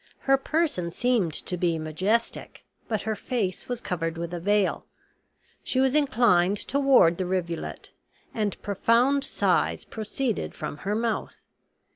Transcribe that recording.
Her person seemed to be majestic; but her face was covered with a veil. She was inclined toward the rivulet, and profound sighs proceeded from her mouth.